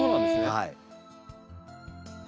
はい。